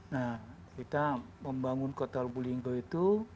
nah kita membangun kota lubuk linggal itu